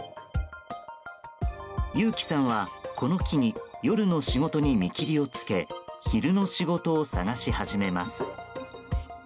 ユウキさんは、この機に夜の仕事に見切りをつけ昼の仕事を探し始めます。